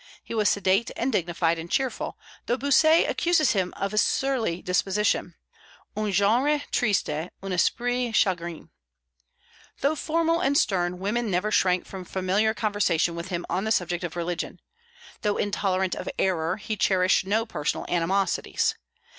He was sedate and dignified and cheerful; though Bossuet accuses him of a surly disposition, un genre triste, un esprit chagrin. Though formal and stern, women never shrank from familiar conversation with him on the subject of religion. Though intolerant of error, he cherished no personal animosities.